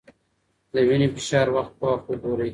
د وینې فشار وخت په وخت وګورئ.